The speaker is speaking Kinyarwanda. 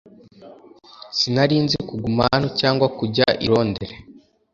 Sinari nzi kuguma hano cyangwa kujya i Londres